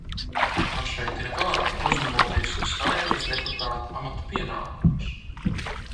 "Šeit ir vārdi "uzņemoties Saeimas deputāta amata pienākumus"."